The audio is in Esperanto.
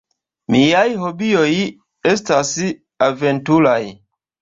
Miaj hobioj estas aventuraj.